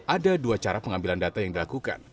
ada dua cara pengambilan data yang dilakukan